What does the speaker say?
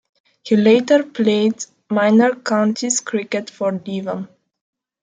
He later played Minor Counties cricket for Devon.